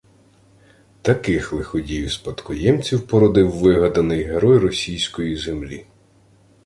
Таких лиходіїв-спадкоємців породив вигаданий герой «російської землі»